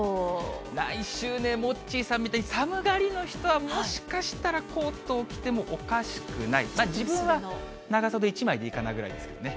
来週ね、モッチーさんみたいに寒がりの人はもしかしたらコートを着てもおかしくない、自分は長袖１枚でいいかなぐらいですけどね。